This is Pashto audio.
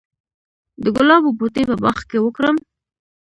د ګلابو بوټي په باغ کې وکرم؟